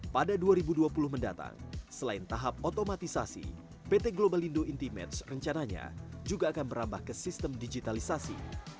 pada dua ribu dua puluh mendatang selain tahap otomatisasi pt global indo intimates rencananya juga akan merambah ke sistem digitalisasi